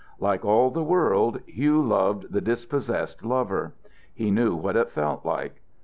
Like all the world, Hugh loved the dispossessed lover. He knew what it felt like.